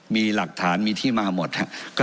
มีหลักฐานมีที่มาหมดครับ